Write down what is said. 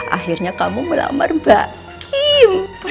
akhirnya kamu melamar mbak kim